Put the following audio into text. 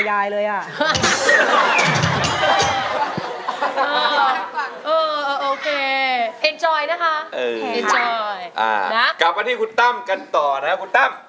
กลับมาที่คุณตั้มกันต่อนะครับ